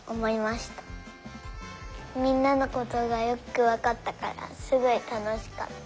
みんなのことがよくわかったからすごいたのしかった。